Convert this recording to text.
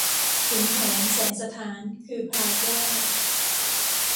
ขุนแผนแสนสะท้าน คือพลายแก้ว